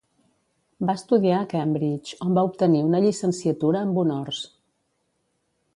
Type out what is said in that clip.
Va estudiar a Cambridge, on va obtenir una llicenciatura amb honors.